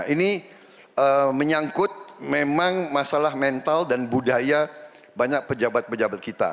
ini menyangkut memang masalah mental dan budaya banyak pejabat pejabat kita